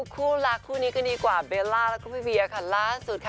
คู่รักคู่นี้ก็ดีกว่าเบลล่าแล้วก็พี่เวียค่ะล่าสุดค่ะ